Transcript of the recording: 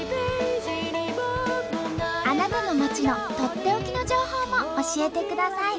あなたの町のとっておきの情報も教えてください。